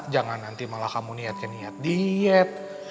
jangan nanti malah kamu niatkan niat diet